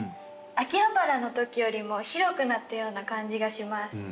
秋葉原のときよりも広くなったような感じがします